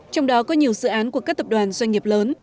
trong đó có nhiều dự án của các tập đoàn doanh nghiệp lớn